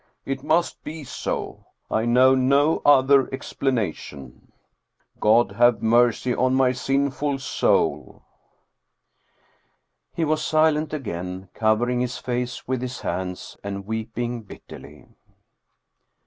It must be so. I know no other explanation. God have mercy on my sin ful soul." He was silent again, covering his face with his hands and weeping bitterly.